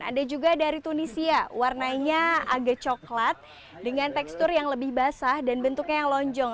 ada juga dari tunisia warnanya agak coklat dengan tekstur yang lebih basah dan bentuknya yang lonjong